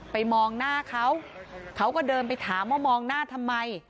มองหน้าเขาเขาก็เดินไปถามว่ามองหน้าทำไม